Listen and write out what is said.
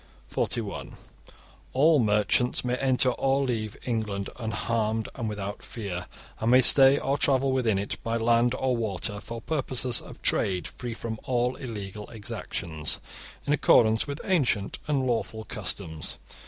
(41) All merchants may enter or leave England unharmed and without fear, and may stay or travel within it, by land or water, for purposes of trade, free from all illegal exactions, in accordance with ancient and lawful customs.